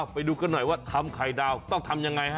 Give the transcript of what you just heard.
ไปดูกันหน่อยว่าทำไข่ดาวต้องทำยังไงฮะ